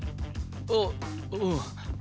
あっうん。